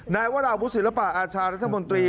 นายวราวุศิลปะอาชารัฐมนตรี